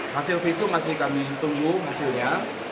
hasil visum masih kami tunggu hasilnya